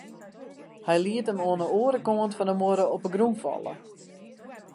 Hy liet him oan 'e oare kant fan de muorre op 'e grûn falle.